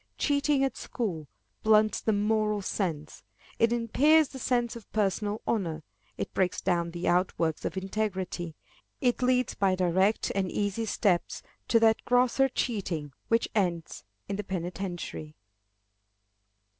Cheating at school blunts the moral sense; it impairs the sense of personal honor; it breaks down the outworks of integrity; it leads by direct and easy steps to that grosser cheating which ends in the penitentiary.